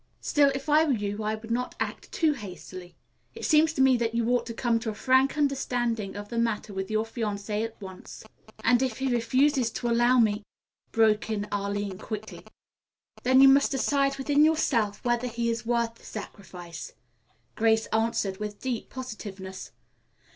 "Still if I were you I would not act too hastily. It seems to me that you ought to come to a frank understanding of the matter with your fiancé at once." "And if he refuses to allow me " broke in Arline quickly. "Then you must decide within yourself whether he is worth the sacrifice," Grace answered with deep positiveness.